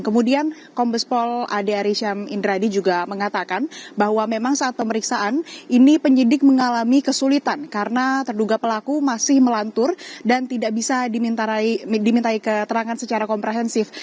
kemudian kombespol ade arisham indradi juga mengatakan bahwa memang saat pemeriksaan ini penyidik mengalami kesulitan karena terduga pelaku masih melantur dan tidak bisa dimintai keterangan secara komprehensif